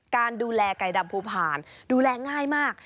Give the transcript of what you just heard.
การดูแลไก่ดำภูผ่านดูแลง่ายมาก